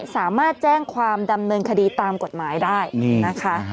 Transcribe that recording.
สามารถแจ้งความดำเนินคดีตามกฎหมายได้นะคะ